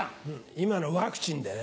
今のワクチンでね。